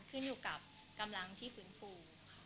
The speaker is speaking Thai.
ขึ้นอยู่กับกำลังที่ฟื้นฟูค่ะ